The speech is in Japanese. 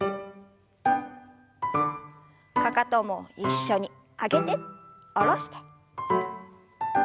かかとも一緒に上げて下ろして。